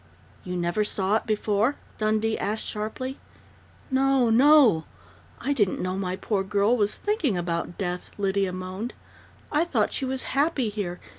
"You never saw it before?" Dundee asked sharply. "No, no! I didn't know my poor girl was thinking about death," Lydia moaned. "I thought she was happy here.